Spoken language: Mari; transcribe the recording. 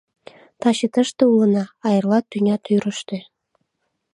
Таче тыште улына, а эрла — тӱня тӱрыштӧ.